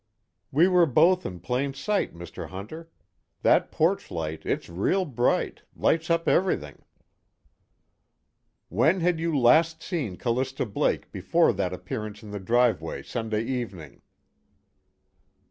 "We were both in plain sight, Mr. Hunter. That porch light, it's real bright, lights up everything." "When had you last seen Callista Blake before that appearance in the driveway Sunday evening?"